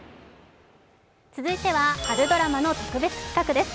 続いては春ドラマの特別企画です。